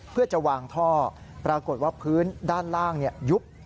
เพื่อจะวางท่อปรากฏว่าพื้นด้านล่างยุบ